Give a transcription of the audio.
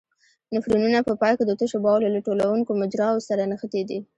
نفرونونه په پای کې د تشو بولو له ټولوونکو مجراوو سره نښتي دي.